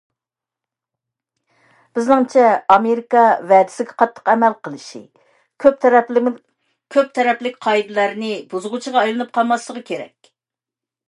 بىزنىڭچە، ئامېرىكا ۋەدىسىگە قاتتىق ئەمەل قىلىشى، كۆپ تەرەپلىك قائىدىلەرنى بۇزغۇچىغا ئايلىنىپ قالماسلىقى كېرەك.